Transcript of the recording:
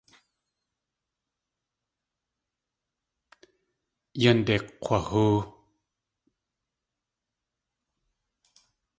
Yánde kg̲wahóo.